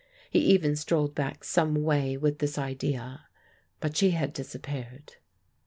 He even strolled back some way with this idea, but she had disappeared.